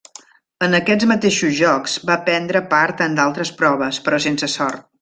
En aquests mateixos Jocs va prendre part en altres proves, però sense sort.